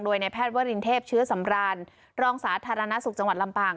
โดยในแพทย์วรินเทพเชื้อสำรานรองสาธารณสุขจังหวัดลำปาง